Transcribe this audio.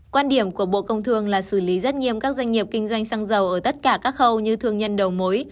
quan điểm của bộ công thương là xử lý rất nghiêm các doanh nghiệp kinh doanh xăng dầu ở tất cả các khâu như thương nhân đầu mối